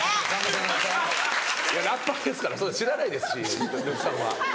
さんまさんラッパーですからそんな知らないですし呂布さんは。